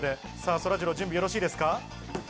そらジロー準備よろしいですか。